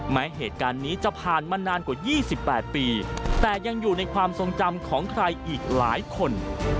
แม้เหตุการณ์นี้จะผ่านมานานกว่า๒๘ปีแต่ยังอยู่ในความทรงจำของใครอีกหลายคน